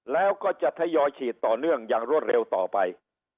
แล้วก็จะทยอยฉีดต่อเนื่องอย่างรวดเร็วต่อไป